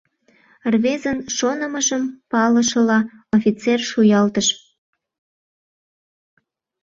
— Рвезын шонымыжым палышыла, офицер шуялтыш.